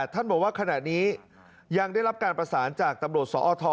ท่านบอกว่าขณะนี้ยังได้รับการประสานจากตำรวจสอท